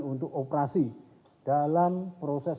untuk operasi dalam proses